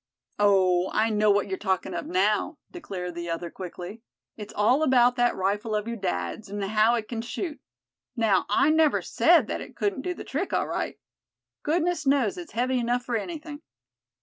"Oh! I know what you're talkin' of now," declared the other, quickly. "It's all about that rifle of your dad's, an' how it c'n shoot. Now, I never said that it couldn't do the trick, all right. Goodness knows it's heavy enough for anything.